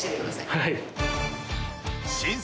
はい。